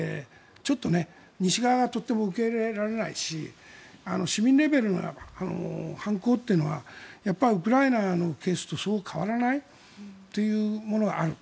西側がとても受け入れられないし市民レベルの反攻というのはやっぱりウクライナのケースとそう変わらないというものがある。